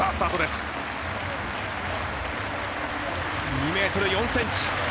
２ｍ４ｃｍ。